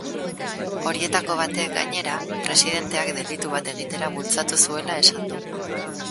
Horietako batek, gainera, presidenteak delitu bat egitera bultzatu zuela esan du.